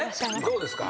どうですか？